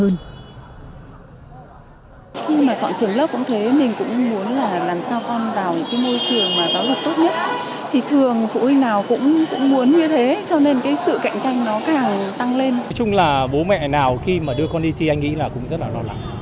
nói chung là bố mẹ nào khi mà đưa con đi thi anh nghĩ là cũng rất là lo lắng